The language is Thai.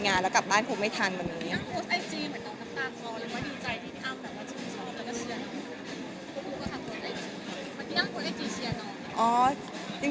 เมื่อกี้อ้างก็ไอจีเชียร์น้อง